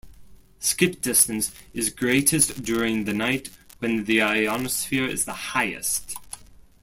Skip distance is greatest during the night when the ionosphere is the highest.